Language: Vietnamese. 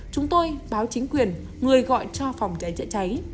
chúng tôi báo chính quyền người gọi cho phòng cháy chữa cháy